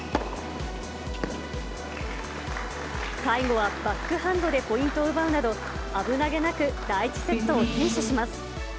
最後はバックハンドでポイントを奪うなど、危なげなく第１セットを先取します。